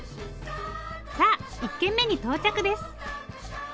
さあ１軒目に到着です。